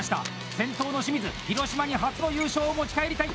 先頭の清水広島に初の優勝を持ち帰りたい！